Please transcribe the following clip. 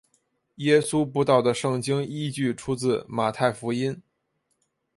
耶稣步道的圣经依据出自马太福音。